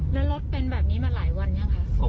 แล้วรถเป็นแบบนี้มาหลายวันยังคะ